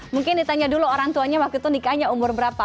mungkin ditanya dulu orang tuanya waktu itu nikahnya umur berapa